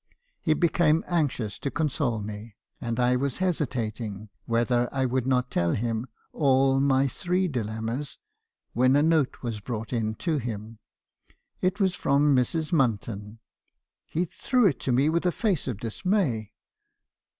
"He became anxious to console me, and I was hesitating whetherl would not tell him all my three dilemmas, when a note was brought in to him. It was from Mrs. Munton. He threw it to me with a face of dismay.